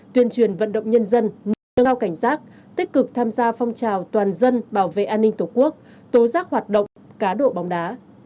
tuyên truyền vận động nhân dân nâng cao cảnh giác tích cực tham gia phong trào toàn dân bảo vệ an ninh tổ quốc tố giác hoạt động cá độ bóng đá